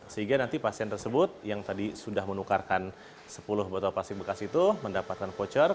sehingga nanti pasien tersebut yang tadi sudah menukarkan sepuluh botol plastik bekas itu mendapatkan voucher